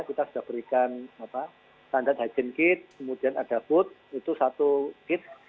kita sudah berikan standar hygiene kit kemudian ada food itu satu kit